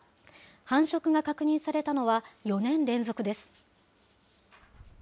繁殖が確認されたのは４年連続です。